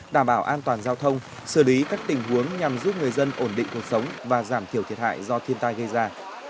đảm bảo an toàn giao thông xử lý các tình huống nhằm giúp người dân ổn định cuộc sống và giảm thiểu thiệt hại do thiên tai gây ra